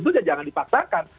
itu sudah jangan dipaksakan